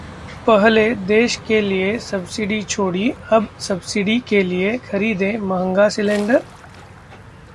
पहले देश के लिए सब्सिडी छोड़ी, अब सब्सिडी के लिए खरीदें महंगा सिलेंडर?